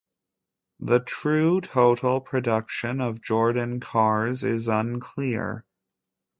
The true total production of Jordan cars is unclear.